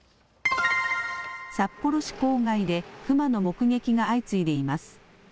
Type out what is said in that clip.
札幌市郊外でクマの目撃が相次いでいます。